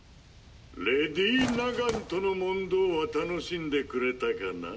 レディ・ナガンとの問答は楽しんでくれたかな？